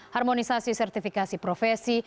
harmonisasi sertifikasi profesi